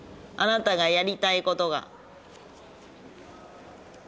あなたがやりたい事が。